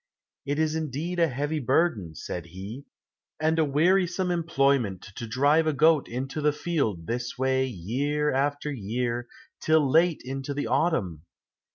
"It is indeed a heavy burden," said he, "and a wearisome employment to drive a goat into the field this way year after year, till late into the autumn!